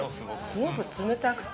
◆すごく冷たくて。